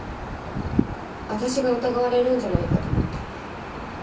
私が疑われるんじゃないかと思った。